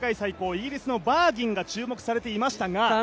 イギリスのバーギンが注目されていましたが。